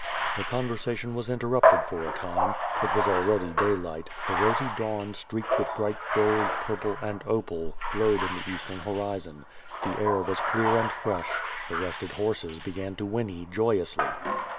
The conversation was interruivted for a time. It was al ready daylight; the rosy dawn streaked with bright gold, purple and opal, glowed in the eastern horizon; the air was clear and fresh; the rested horses began to whinny joyously.